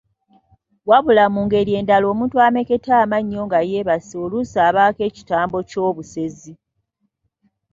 Wabula mu ngeri endala omuntu ameketa amannyo nga yeebase oluusi abaako ekitambo ky’obusezi.